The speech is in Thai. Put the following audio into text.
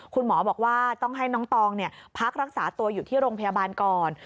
คุณหมอบอกว่าต้องให้น้องตองพักรักษาตัวอยู่ที่โรงพยาบาลก่อน